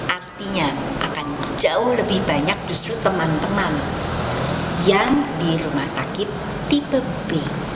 artinya akan jauh lebih banyak justru teman teman yang di rumah sakit tipe b